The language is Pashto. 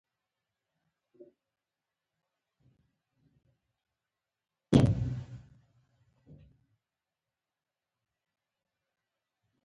د دوى پر سرونو يو بل ډول دستار و.